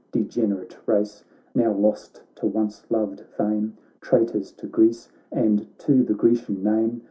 Degenerate race ! now lost to once loved fame. Traitors to Greece and to the Grecian name